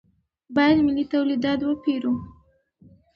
باید ملي تولیدات وپېرو.